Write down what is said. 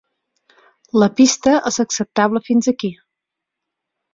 La pista és acceptable fins aquí.